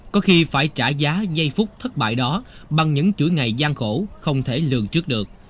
có khi phải trả giá giây phút thất bại đó bằng những chuỗi ngày gian khổ không thể lường trước được